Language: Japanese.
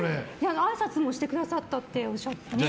あいさつもしてくださったって言ってましたよ。